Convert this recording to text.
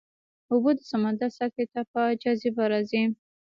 اوبه د سمندر سطحې ته په جاذبه راځي.